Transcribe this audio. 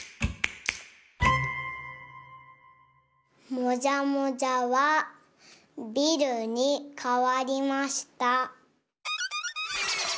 もじゃもじゃはビルにかわりました。